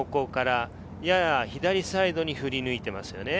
やや左サイドに振り抜いていますね。